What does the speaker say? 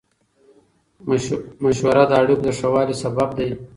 مشوره د اړیکو د ښه والي سبب دی.